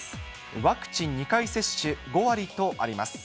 ワクチン２回接種５割とあります。